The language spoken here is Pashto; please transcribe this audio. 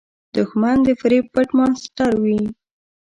دښمن د فریب پټ ماسټر وي